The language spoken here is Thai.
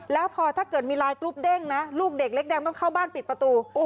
แล้วพอถ้าเกิดมีลายกรุ๊ปเด้งนะลูกเด็กเล็กแดงต้องเข้าบ้านปิดประตู